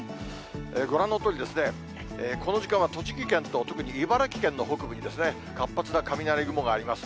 ご覧のとおり、この時間は栃木県と、特に茨城県の北部に、活発な雷雲があります。